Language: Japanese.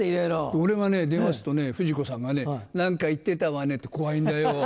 俺が電話すっとね冨士子さんが「何か言ってたわね」って怖いんだよ。